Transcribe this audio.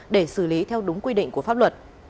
để xử lý theo đúng quy định của pháp luật